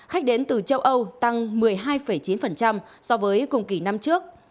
khách đến từ châu âu tăng một mươi hai chín so với cùng kỳ năm trước